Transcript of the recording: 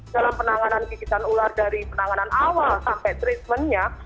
dalam penanganan gigitan ular dari penanganan awal sampai treatmentnya